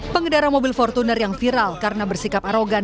pengendara mobil fortuner yang viral karena bersikap arogan